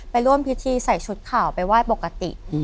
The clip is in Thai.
ร่วมพิธีใส่ชุดข่าวไปไหว้ปกติ